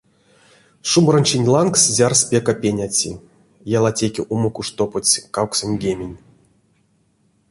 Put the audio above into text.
Шумбрачинть лангс зярс пек а пеняци, ялатеке — умок уш топодсть кавксоньгемень.